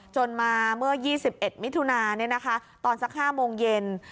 จนมาเมื่อ๒๑มิถุนาตอนสัก๕โมงเย็น